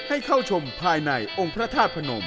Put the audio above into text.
ให้เข้าชมภายในองค์พระธาตุพนม